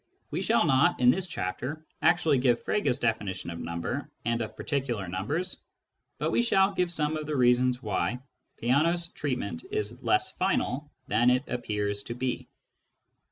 We shall not, in this chapter, actually give Frege's definition of number and of particular numbers, but we shall give some of the reasons why Peano's treatment is less final than it appears to be.